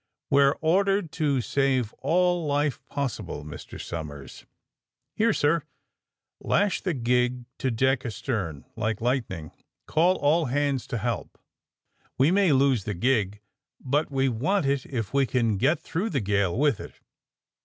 We are ordered to save all life possible. Mr. Som ers !" Here, sir!'^ Lash the gig to deck astern — ^like lightning. Call all hands to help. We may lose the gig, but we want it if we can get through the gale with it.